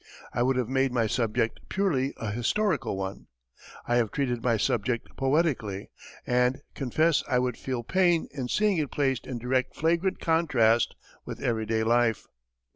I would have made my subject purely a historical one. I have treated my subject poetically, and confess I would feel pain in seeing it placed in direct flagrant contrast with every day life."